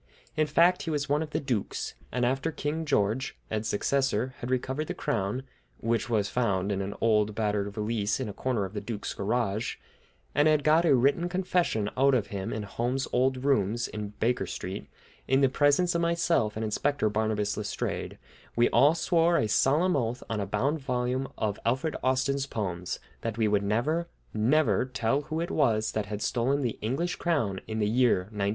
In fact, he was one of the dukes, and after King George, Ed's successor, had recovered the crown, which was found in an old battered valise in a corner of the duke's garage, and had got a written confession out of him in Holmes's old rooms in Baker Street, in the presence of myself and Inspector Barnabas Letstrayed, we all swore a solemn oath, on a bound volume of Alfred Austin's poems, that we would never, never tell who it was that had stolen the English crown in the year 1910!